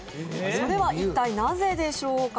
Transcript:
それは一体なぜでしょうか？